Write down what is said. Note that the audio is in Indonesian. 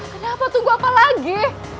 kenapa tunggu apa lagi